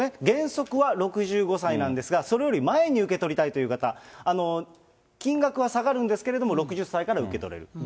原則は６５歳なんですが、それより前に受け取りたいという方、金額は下がるんですけど、６０歳から受け取れる。